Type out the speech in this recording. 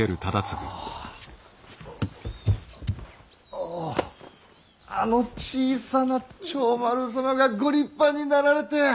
おおあの小さな長丸様がご立派になられて！